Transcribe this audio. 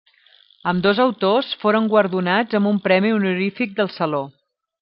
Ambdós autors foren guardonats amb un premi honorífic del Saló.